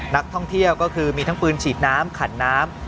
นักท่องเที่ยวก็คือมีทั้งปืนฉีดน้ำขันน้ำ